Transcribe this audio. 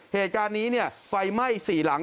เหตุการณ์นี้ไฟไหม้๔หลัง